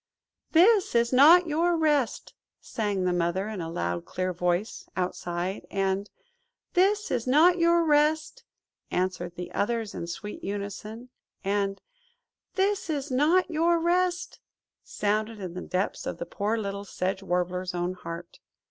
"This is not your Rest," sang the Mother, in a loud clear voice, outside; and "This is not your Rest," echoed the others in sweet unison; and "This is not your Rest," sounded in the depths of the poor little Sedge Warbler's own heart.